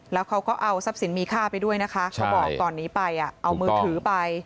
แล้วเขาก็เอาทรัพย์สินมีค่าไปด้วยนะคะเขาบอกตอนนี้ไปเอามือถือไป